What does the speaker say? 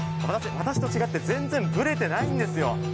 私と違って全然ブレてないんですよ。